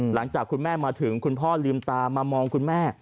หลังจากคุณแม่มาถึงคุณพ่อลืมตามามองคุณแม่